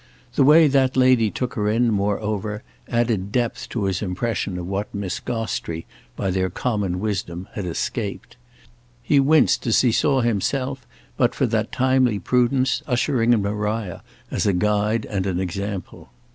The way that lady took her in, moreover, added depth to his impression of what Miss Gostrey, by their common wisdom, had escaped. He winced as he saw himself but for that timely prudence ushering in Maria as a guide and an example.